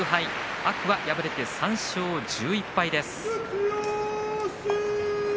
天空海、敗れて３勝１１敗です。